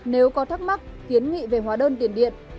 nếu có thắc mắc kiến nghị về hóa đơn tiền điện